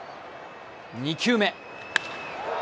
２球目。